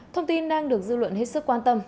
thông tin đang được dư luận hết sức quan tâm